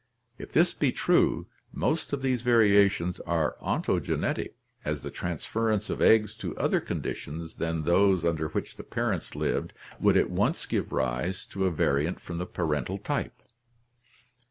If this be true, most of these variations are ontogenetic, as the transference of eggs to other conditions than those under which the parents lived would at once give rise to a variant from the parental type.